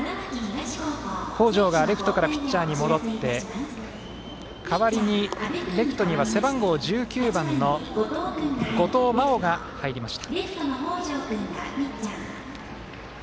北條がレフトからピッチャーに戻って代わりにレフトには背番号１９番の五嶋真生が入りました。